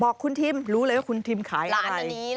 บอกคุณทิมรู้เลยว่าคุณทิมขายร้านนี้